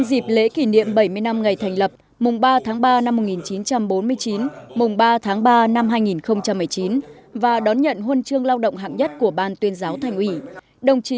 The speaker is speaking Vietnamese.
xin chào và hẹn gặp lại